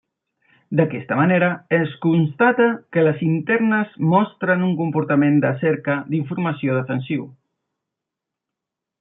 D'aquesta manera, es constata que les internes mostren un comportament de cerca d'informació defensiu.